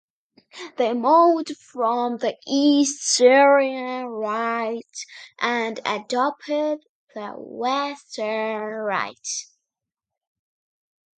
They moved from the East Syrian Rite and adopted the West Syrian Rite.